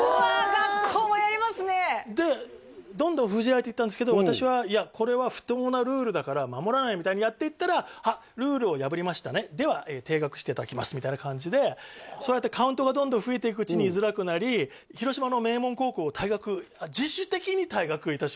学校もやりますねえでどんどん封じられていったんですけど私はいやこれはみたいにやっていったらルールを破りましたねでは停学していただきますみたい感じでそうやってカウントがどんどん増えていくうちに居づらくなり自主退学？